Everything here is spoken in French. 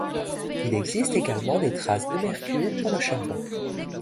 Il existe également des traces de mercure dans le charbon.